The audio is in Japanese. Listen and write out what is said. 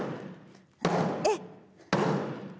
えっ？